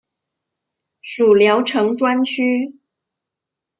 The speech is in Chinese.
属聊城专区。